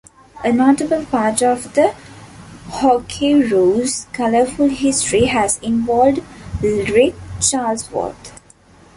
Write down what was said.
A notable part of the Hockeyroos colourful history has involved Ric Charlesworth.